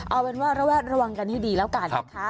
เอาเป็นว่าระแวดระวังกันให้ดีแล้วกันนะคะ